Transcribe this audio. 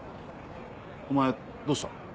お前どうした？